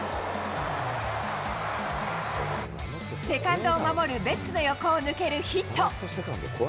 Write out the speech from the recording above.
セカンドを守るベッツの横を抜けるヒット。